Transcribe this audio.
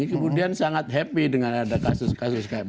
kemudian sangat happy dengan ada kasus kasus kayak